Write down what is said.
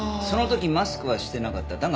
その時マスクはしてなかった。